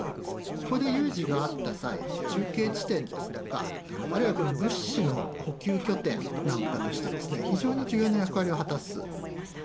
ここで有事があった際、中継地点ですとか、あるいは物資の補給拠点なんかとして、非常に重要な役割を果たす。